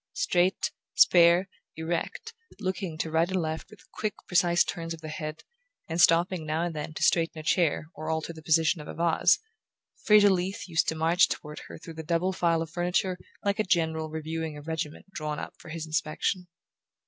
Straight, spare, erect, looking to right and left with quick precise turns of the head, and stopping now and then to straighten a chair or alter the position of a vase, Fraser Leath used to march toward her through the double file of furniture like a general reviewing a regiment drawn up for his inspection.